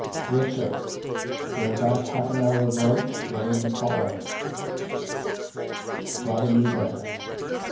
" Yes, sir ; they are back half an hour ago. They are in the parlour." Robin knew better.